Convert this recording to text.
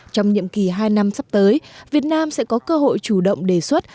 trong nhiệm kỳ hai năm sắp tới việt nam sẽ có cơ hội chủ động đề xuất